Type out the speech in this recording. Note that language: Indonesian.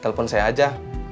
telepon saya aja